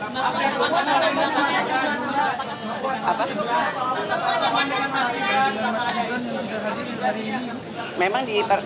apa yang terjadi hari ini